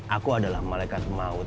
aku adalah malekat maut